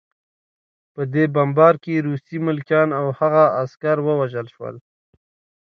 په دې بمبار کې روسي ملکیان او هغه عسکر ووژل شول